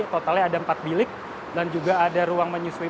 totalnya ada empat bilik dan juga ada ruang menyusui